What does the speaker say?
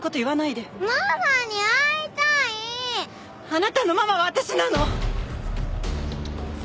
あなたのママは私なの！